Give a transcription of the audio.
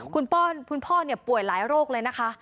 คุณพ่อป่วยหลายโรคเลยนะคะ